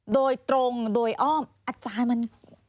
โดยตรงโดยอ้อมอาจารย์มัน